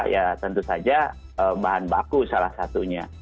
ya tentu saja bahan baku salah satunya